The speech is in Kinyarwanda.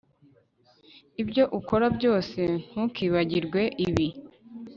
ibyo ukora byose, ntukibagirwe ibi